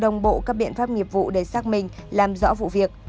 nhận pháp nghiệp vụ để xác minh làm rõ vụ việc